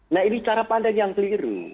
nah ini cara pandang yang keliru